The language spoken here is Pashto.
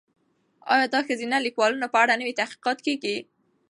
ایا د ښځینه لیکوالو په اړه نوي تحقیقات کیږي؟